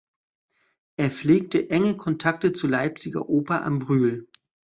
Er pflegte enge Kontakte zur Leipziger Oper am Brühl.